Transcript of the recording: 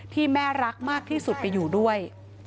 ที่แม่รักมากที่สุดไปอยู่ด้วย